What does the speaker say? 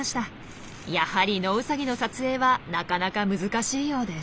やはりノウサギの撮影はなかなか難しいようです。